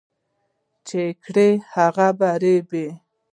چي کرې، هغه به رېبې.